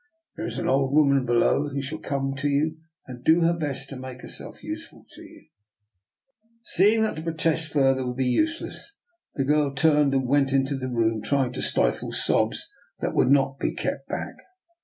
There is an old woman below who shall come to you, and do her best to make herself useful to you." l6o I>R NIKOLA'S EXPERIMENT. Seeing that to protest further would be useless, the girl turned and went into the room, trying to stifle the sobs that would not be kept back.